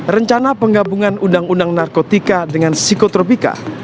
rencana penggabungan undang undang narkotika dengan psikotropika